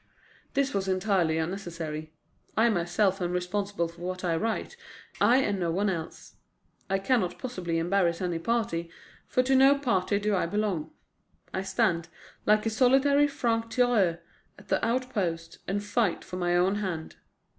This was entirely unnecessary. I myself am responsible for what I write, I and no one else. I cannot possibly embarrass any party, for to no party do I belong. I stand like a solitary franc tireur at the outposts, and fight for my own hand.